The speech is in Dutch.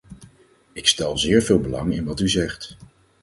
Ik stel zeer veel belang in wat u zegt.